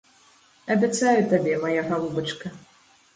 Абяцаю табе, мая галубачка.